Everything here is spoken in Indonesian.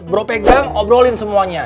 bro pegang obrolin semuanya